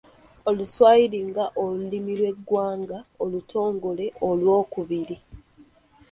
Oluswayiri ng'olulimi lw'eggwanga olutongole olwokubiri.